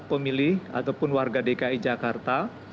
pemilih ataupun warga dki jakarta